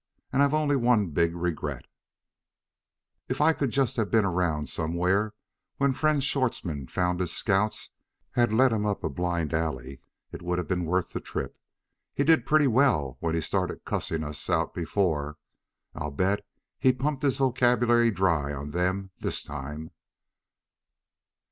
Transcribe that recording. And I've only one big regret: "If I could just have been around somewhere when friend Schwartzmann found his scouts had led him up a blind alley, it would have been worth the trip. He did pretty well when he started cussing us out before; I'll bet he pumped his vocabulary dry on them this time."